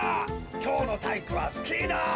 きょうのたいいくはスキーだ。